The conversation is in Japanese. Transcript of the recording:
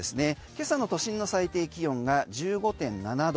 今朝の都心の最低気温が１５．７度。